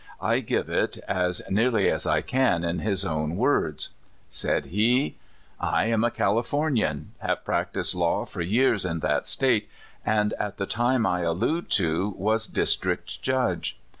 I give it as nearly as I can in his own words. Said he :"' I am a California!!, have practiced law for years in that State, and, at the time I allude to, was district judge.